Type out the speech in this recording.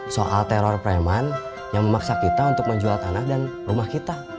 soal teror preman yang memaksa kita untuk menjual anak dan rumah kita